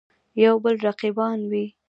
یودبل رقیبان وي.